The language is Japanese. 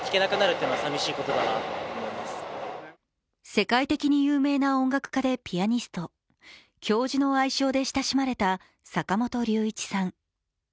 世界的に有名な音楽家でピアニスト、教授の愛称で親しまれた坂本龍一さん。